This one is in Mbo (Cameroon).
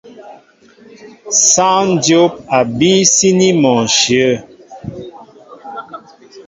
Sááŋ dyóp a bííy síní mɔ ǹshyə̂.